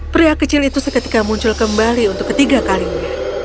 pria kecil itu seketika muncul kembali untuk ketiga kalinya